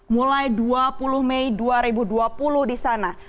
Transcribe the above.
mulai dua puluh mei dua ribu dua puluh di sana